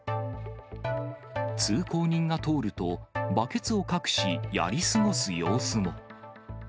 通行人が通ると、バケツを隠し、やり過ごす様子も。